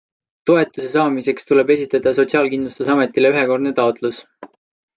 Toetuse saamiseks tuleb esitada sotsiaalkindlustusametile ühekordne taotlus.